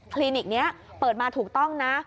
ลินิกนี้เปิดมาถูกต้องนะ